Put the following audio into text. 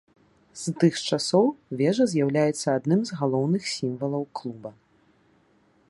З тых часоў вежа з'яўляецца адным з галоўных сімвалаў клуба.